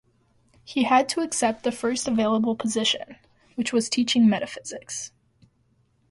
He had to accept the first available position, which was teaching metaphysics.